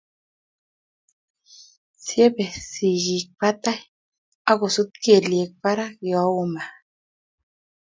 Syebe sikikbatai ak kosut kelyek parak yoon oo maat.